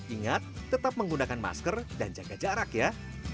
ingat tetap menggunakan masker dan jaga jarak ya